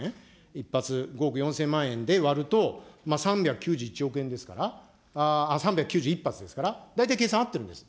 １発５億４０００万円で割ると、３９１億円ですから、３９１発ですから、大体計算合ってるんです。